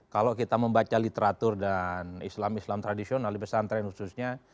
kalau kita membaca literatur dan islam islam tradisional di pesantren khususnya